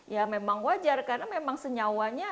ya memang wajar karena memang senyawanya